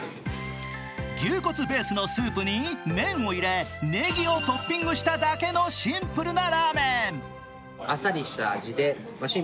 牛骨ベースのスープに麺を入れねぎをトッピングしただけのシンプルなラーメン。